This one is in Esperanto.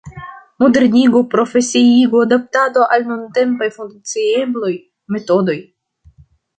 Modernigo, profesiigo, adaptado al nuntempaj funkciebloj, metodoj.